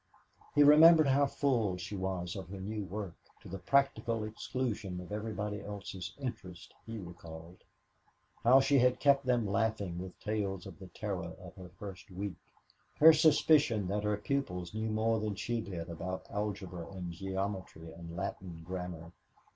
He remembered how full she was of her new work to the practical exclusion of everybody else's interests, he recalled how she had kept them laughing with tales of the terror of her first week; her suspicion that her pupils knew more than she did about algebra and geometry and Latin grammar.